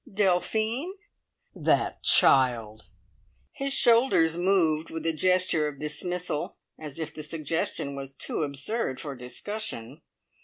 "Delphine?" "That child!" His shoulders moved with a gesture of dismissal, as if the suggestion was too absurd for discussion.